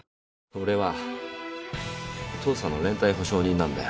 俺は父さんの連帯保証人なんだよ。